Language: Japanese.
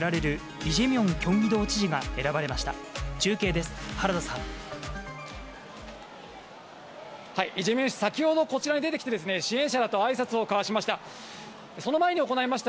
イ・ジェミョン氏、先ほどこちらに出てきて、支援者らとあいさつを交わしました。